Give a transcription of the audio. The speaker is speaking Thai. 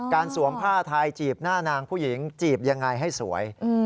สวมผ้าไทยจีบหน้านางผู้หญิงจีบยังไงให้สวย